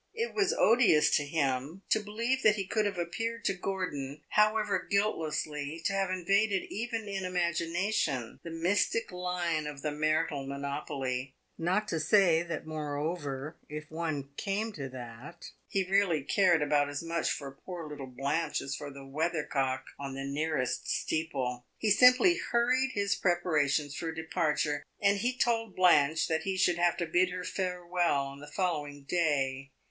It was odious to him to believe that he could have appeared to Gordon, however guiltlessly, to have invaded even in imagination the mystic line of the marital monopoly; not to say that, moreover, if one came to that, he really cared about as much for poor little Blanche as for the weather cock on the nearest steeple. He simply hurried his preparations for departure, and he told Blanche that he should have to bid her farewell on the following day.